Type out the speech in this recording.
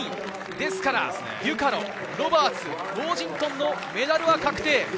ですから、デュカロ、ロバーツ、ウォージントンのメダルが確定。